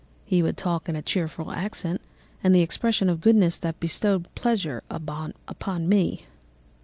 He would talk in a cheerful accent, with an expression of goodness that bestowed pleasure even upon me.